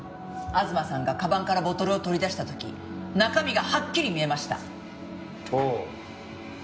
東さんが鞄からボトルを取り出した時中身がはっきり見えました。